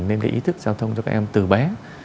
nên cái ý thức giao thông cho các em từ bé